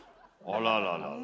あらららら。